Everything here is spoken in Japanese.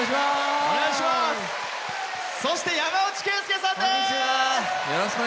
そして山内惠介さんです。